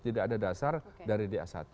tidak ada dasar dari da satu